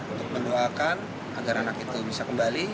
untuk mendoakan agar anak itu bisa kembali